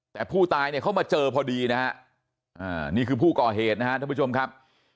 แต่ผู้ตายเนี่ยเขามาเจอพอดีนะฮะนี่คือผู้ก่อเหตุนะครับท่านผู้ชมครับ